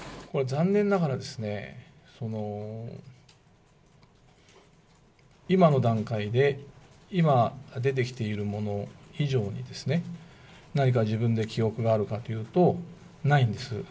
残念ながらですね、その、今の段階で、今出てきているもの以上に何か自分で記憶があるかというと、ないんです。